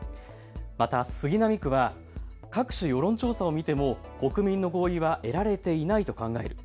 また杉並区は各種世論調査を見ても国民の合意は得られていないと考える。